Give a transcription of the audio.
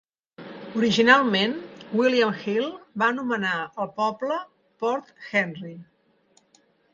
Originalment, William Hill va anomenar el poble "Port Henry".